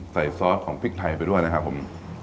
ซอสของพริกไทยไปด้วยนะครับผม